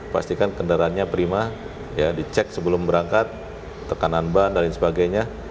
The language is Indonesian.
pastikan kendaraannya prima dicek sebelum berangkat tekanan ban dan lain sebagainya